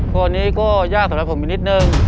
ก็นี่ยากสำหรับผมอีกนิดนึง